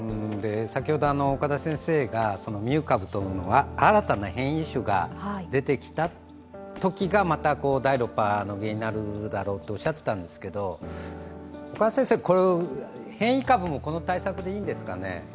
先ほど、岡田先生がミュー株と新たな変異種が出てきたときがまた第６波の原因になるだろうとおっしゃってたんですけど変異株もこの対策でいいんですかね？